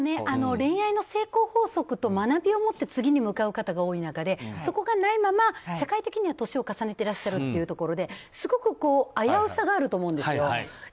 恋愛の成功法則と学びを持って次に向かう方が多い中で、そこがないまま社会的には年を重ねていらっしゃる中ですごく危うさがあると思うんですよ。